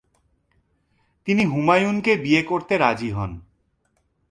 তিনি হুমায়ুনকে বিয়ে করতে রাজি হন।